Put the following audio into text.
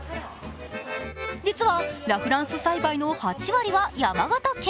実はラ・フランス栽培の８割は山形県。